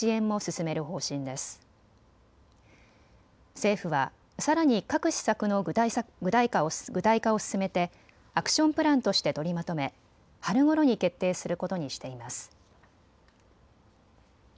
政府は、さらに各施策の具体化を進めてアクションプランとして取りまとめ春ごろに決定することにしています。